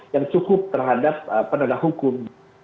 yang cukup terhadap penegak hukum